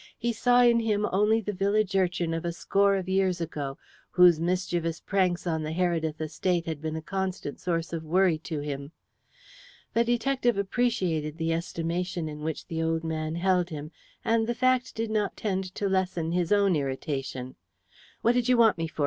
He saw in him only the village urchin of a score of years ago, whose mischievous pranks on the Heredith estate had been a constant source of worry to him. The detective appreciated the estimation in which the old man held him, and the fact did not tend to lessen his own irritation. "What did you want me for?"